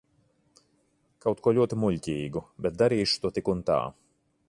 Kaut ko ļoti muļķīgu, bet darīšu to tik un tā.